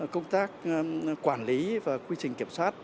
công tác quản lý và quy trình kiểm soát